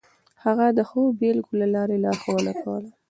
هغه د ښو بېلګو له لارې لارښوونه کوله.